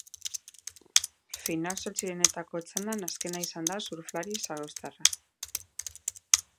Final-zortzirenetako txandan azkena izan da surflari zarauztarra.